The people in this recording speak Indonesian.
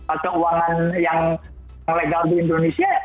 atau keuangan yang legal di indonesia